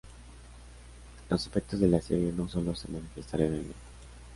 Los efectos de la serie no solo se manifestaron en ello.